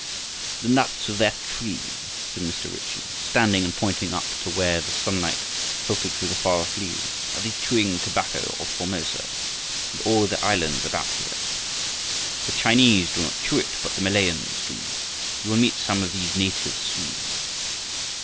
"The nuts of that tree," said Mr. Ritchie, standing and pointing away up to where the sunlight filtered through the far off leaves, "are the chewing tobacco of Formosa and all the islands about here. The Chinese do not chew it, but the Malayans do. You will meet some of these natives soon."